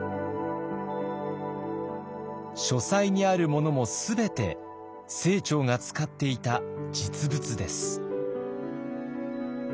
書斎にあるものも全て清張が使っていた実物です。